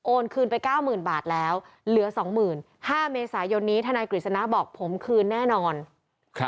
คืนไปเก้าหมื่นบาทแล้วเหลือสองหมื่นห้าเมษายนนี้ทนายกฤษณะบอกผมคืนแน่นอนครับ